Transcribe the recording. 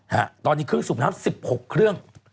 ฮ่าตอนนี้เครื่องสูบน้ำ๑๖เครื่อง